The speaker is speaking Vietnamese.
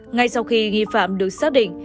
ngay sau khi nghi phạm được xác định